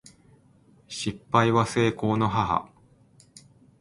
失敗は成功の母